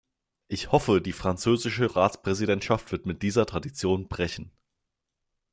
Ich hoffe, die französische Ratspräsidentschaft wird mit dieser Tradition brechen.